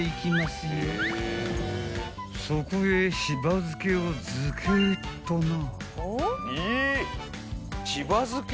［そこへしば漬けを漬けっとな］